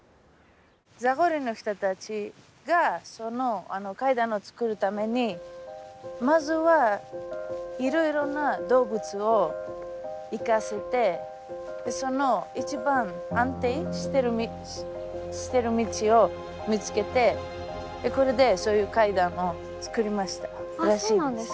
ザゴリの人たちがその階段を作るためにまずはいろいろな動物を行かせてその一番安定している道を見つけてこれでそういう階段を作りましたらしいです。